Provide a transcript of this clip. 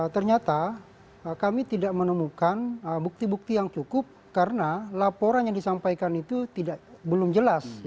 ternyata kami tidak menemukan bukti bukti yang cukup karena laporan yang disampaikan itu belum jelas